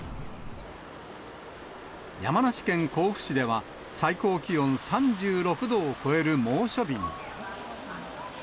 山梨県甲府市では、最高気温３６度を超える猛暑日に。